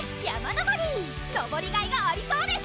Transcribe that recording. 登りがいがありそうです